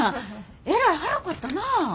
えらい早かったな。